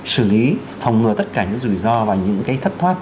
xử lý phòng ngừa tất cả những rủi ro và những cái thất thoát